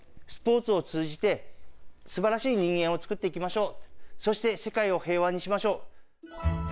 スポーツを通じてすばらしい人間を作っていきましょう、そして、世界を平和にしましょう。